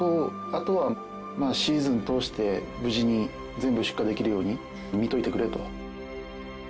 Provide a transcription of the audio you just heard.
あとはシーズン通して無事に全部出荷できるように見といてくれと。